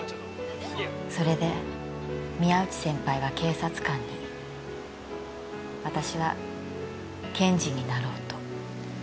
それで宮内先輩は警察官に私は検事になろうと。